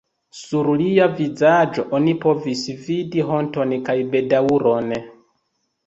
Sur lia vizaĝo oni povis vidi honton kaj bedaŭron.